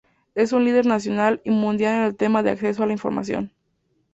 Es un líder nacional y mundial en el tema de acceso a la información".